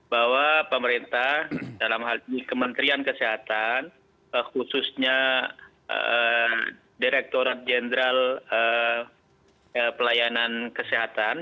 bahwa pemerintah dalam hal ini kementerian kesehatan khususnya direkturat jenderal pelayanan kesehatan